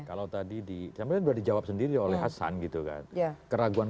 kalau tadi di sampe udah dijawab sendiri oleh hasan gitu kan